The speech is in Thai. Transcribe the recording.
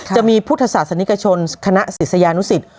จะมีพุทธศาสนิกชนคณะศิษยานุสิต